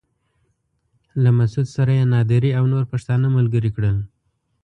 له مسعود سره يې نادري او نور پښتانه ملګري کړل.